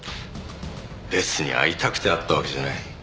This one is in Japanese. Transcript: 別に会いたくて会ったわけじゃない。